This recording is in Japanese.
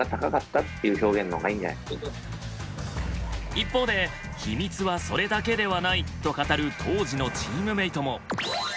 一方で「秘密はそれだけではない」と語る当時のチームメートも。